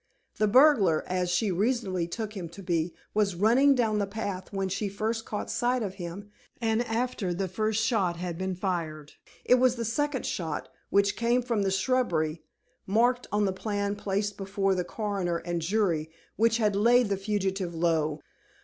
The burglar as she reasonably took him to be was running down the path when she first caught sight of him, and after the first shot had been fired. It was the second shot, which came from the shrubbery marked on the plan placed before the Coroner and jury which had laid the fugitive low.